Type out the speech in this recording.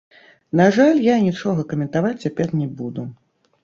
На жаль, я нічога каментаваць цяпер не буду.